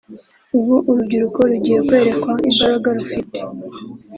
ubu urubyiruko rugiye kwerekwa imbaraga rufite